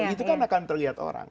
itu kan akan terlihat orang